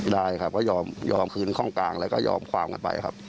ได้ครับก็ยอมคืนข้องกลางแล้วก็ยอมความกันไปครับ